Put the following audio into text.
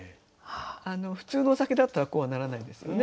普通のお酒だったらこうはならないですよね。